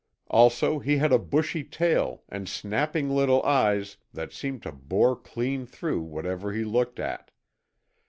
Also he had a bushy tail and snapping little eyes that seemed to bore clean through whatever he looked at.